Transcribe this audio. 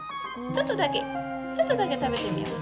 ちょっとだけちょっとだけ食べてみよう。